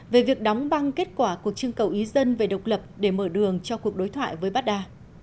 về việc đóng băng kết quả cuộc trưng cầu ý dân về độc lập để mở đường cho cuộc đối thoại với baghdad